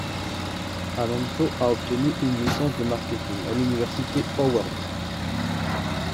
Alonso a obtenu une licence de marketing à l'Université Howard.